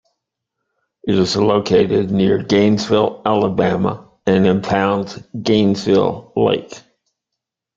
It is located near Gainesville, Alabama, and impounds Gainesville Lake.